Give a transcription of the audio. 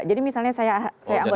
jadi misalnya saya anggota